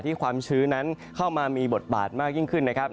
ความชื้นนั้นเข้ามามีบทบาทมากยิ่งขึ้นนะครับ